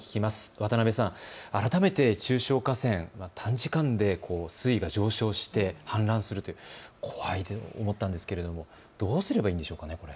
渡辺さん、改めて中小河川、短時間で水位が上昇して氾濫するという怖いと思ったんですけれどもどうすればいいんでしょうか。